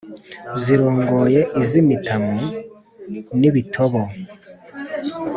zirongoye iz’imitamu n’ibitobo,